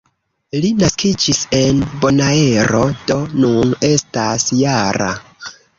Li naskiĝis en Bonaero, do nun estas -jara.